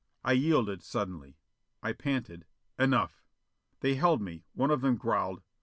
I yielded suddenly. I panted: "Enough!" They held me. One of them growled.